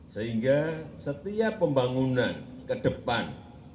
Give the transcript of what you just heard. sehingga setiap pembangunan ke depan